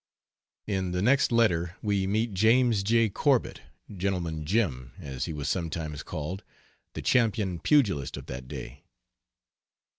In the next letter we meet James J. Corbett "Gentleman Jim," as he was sometimes called the champion pugilist of that day.